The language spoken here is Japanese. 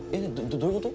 どどういうこと？